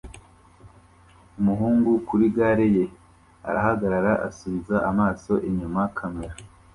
Umuhungu kuri gare ye arahagarara asubiza amaso inyuma kamera